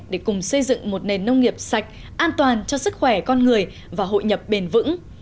để cùng xây dựng một nền nông nghiệp sạch an toàn cho sức khỏe con người và hội nhập bền vững